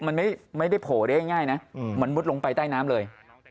มันไม่ได้โผล่ได้ง่ายนะมันมุดลงไปใต้น้ำเลย